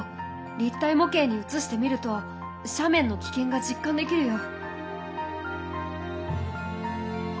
立体模型にうつしてみると斜面の危険が実感できるよ。